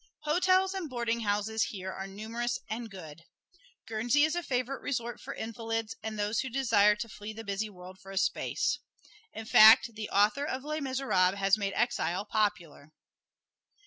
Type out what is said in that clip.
Hotels and boarding houses here are numerous and good. Guernsey is a favorite resort for invalids and those who desire to flee the busy world for a space. In fact, the author of "Les Miserables" has made exile popular.